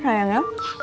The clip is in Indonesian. betul sayang ya